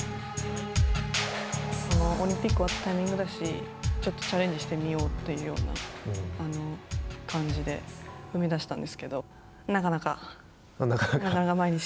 オリンピックの終わったタイミングだしちょっとチャレンジしてみようというような感じで踏み出したんですけど。